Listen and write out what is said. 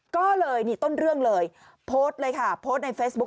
ก็เลยนี่ต้นเรื่องเลยโพสต์เลยค่ะโพสต์ในเฟซบุ๊